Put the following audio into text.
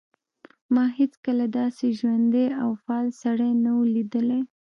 ما هیڅکله داسې ژوندی او فعال سړی نه و لیدلی